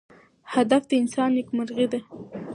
هدف د انسان نیکمرغي ده.